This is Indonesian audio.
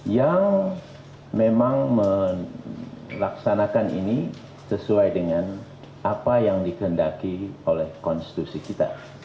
yang memang melaksanakan ini sesuai dengan apa yang dikendaki oleh konstitusi kita